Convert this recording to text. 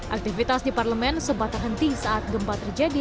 aktivitas di parlemen sempat terhenti saat gempa terjadi